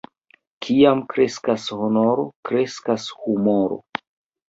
Kiam kreskas honoro, kreskas humoro.